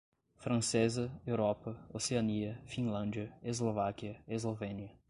francesa, Europa, Oceania, Finlândia, Eslováquia, Eslovênia